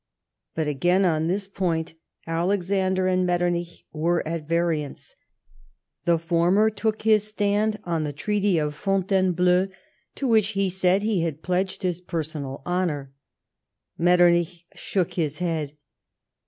But again on this point Alexander and Metternich were at variance. The former took his stand on the treaty of Fontainebleau, to which he said he had pledged his personal honour. ^Metternich shook his head.